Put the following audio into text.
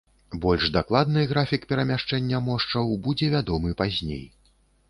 Больш дакладны графік перамяшчэння мошчаў будзе вядомы пазней.